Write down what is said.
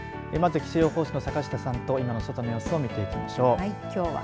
まず気象予報士の坂下さんと今の外の様子を見ていきましょう。